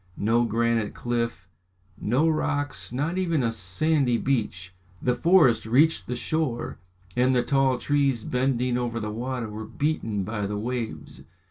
No granite cliff, no rocks, not even a sandy beach. The forest reached the shore, and the tall trees bending over the water were beaten by the waves.